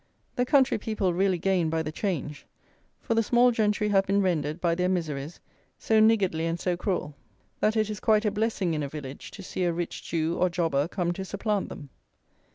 The country people really gain by the change; for the small gentry have been rendered, by their miseries, so niggardly and so cruel, that it is quite a blessing, in a village, to see a rich Jew or Jobber come to supplant them.